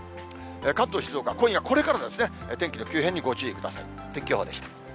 関東、静岡、今夜これからですね、天気の急変にご注意ください。